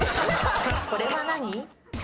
これは何？